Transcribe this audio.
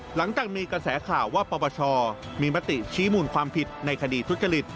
หลังจากมีกระแสข่าวว่าปปชมีมติชี้มูลความผิดในคดีทุจริต